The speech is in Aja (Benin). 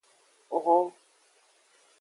Hon.